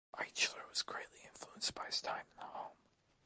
Eichler was greatly influenced by his time in the home.